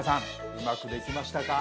うまくできましたか？